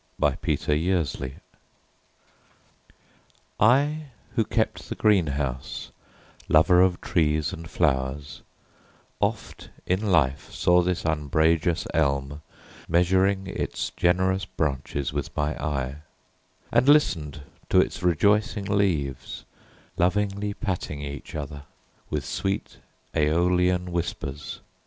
Samuel Gardner I who kept the greenhouse, Lover of trees and flowers, Oft in life saw this umbrageous elm, Measuring its generous branches with my eye, And listened to its rejoicing leaves Lovingly patting each other With sweet aeolian whispers.